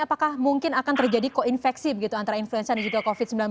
apakah mungkin akan terjadi koinfeksi begitu antara influenza dan juga covid sembilan belas